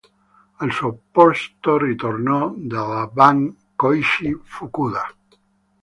Al suo posto ritornò nella band Koichi Fukuda.